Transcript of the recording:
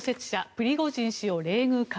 プリゴジン氏を冷遇か。